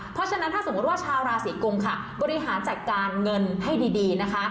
เพราะฉะนั้นถ้าสมมุติว่าชาวราศีกุมค่ะบริหารจัดการเงินให้ดีนะคะ